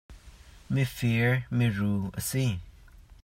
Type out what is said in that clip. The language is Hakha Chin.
Mifir miru a si .